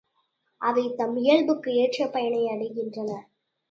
அவை தம் இயல்புக்கு ஏற்ற பயனை அடைகின்றன.